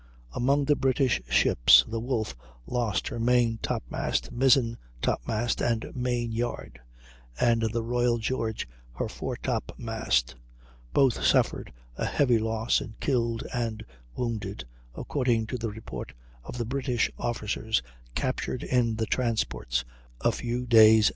Among the British ships, the Wolfe lost her main top mast, mizzen top mast, and main yard, and the Royal George her foretop mast; both suffered a heavy loss in killed and wounded, according to the report of the British officers captured in the transports a few days afterward.